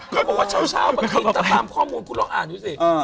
ก็บอกว่าเช้าเมื่อกี้ตามข้อมูลคุณลองอ่านดูสิ